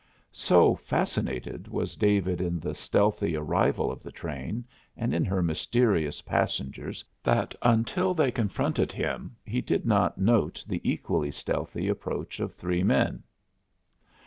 So fascinated was David in the stealthy arrival of the train and in her mysterious passengers that, until they confronted him, he did not note the equally stealthy approach of three men.